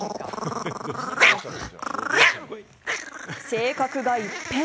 性格が一変！